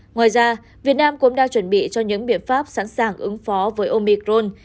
ngoài ra việt nam cũng đang chuẩn bị cho những biện pháp sẵn sàng ứng phó với omicron